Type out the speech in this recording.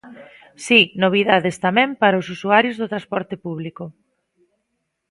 Si, novidades tamén para os usuarios do transporte público.